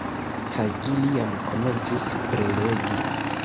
Kaj ili jam komencis prelegi